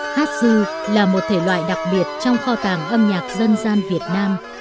hát dư là một thể loại đặc biệt trong kho tàng âm nhạc dân gian việt nam